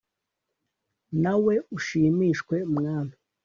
nawe ushimishwe, mwami.